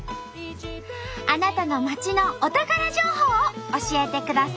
あなたの町のお宝情報を教えてください。